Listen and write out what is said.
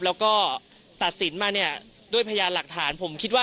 แล้วก็ตัดสินมาเนี่ยด้วยพยานหลักฐานผมคิดว่า